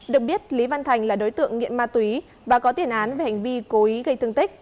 được biết lý văn thành là đối tượng nghiện ma túy và có tiền án về hành vi cố ý gây thương tích